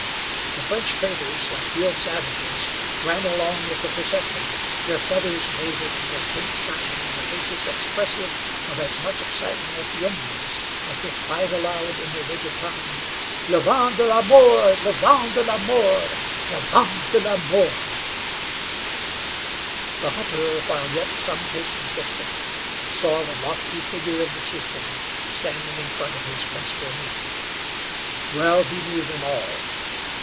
The French traders, like real savages, ran along with the procession, their feathers waving, their paint shining, their faces expressive of as much excitement as the Indians' as they cried aloud in their native tongue: "Le Vent de la Mort! Le Vent de la Mort! La Vent de la Mort!" The hunter, while yet some paces distant, saw the lofty figure of the chieftain standing in front of his principal men. Well he knew them all.